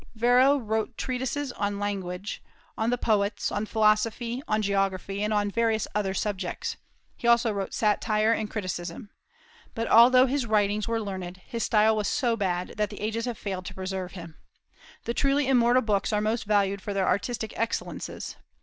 Varro wrote treatises on language, on the poets, on philosophy, on geography, and on various other subjects; he also wrote satire and criticism. But although his writings were learned, his style was so bad that the ages have failed to preserve him. The truly immortal books are most valued for their artistic excellences.